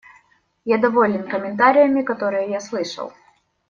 Я доволен комментариями, которые я слышал.